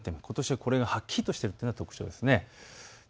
ことしはこれがはっきりしているのが特徴です。